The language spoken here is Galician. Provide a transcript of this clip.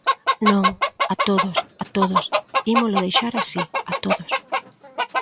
¡Non, a todos, a todos! Ímolo deixar así, a todos.